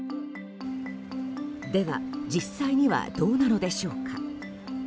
では、実際にはどうなのでしょうか。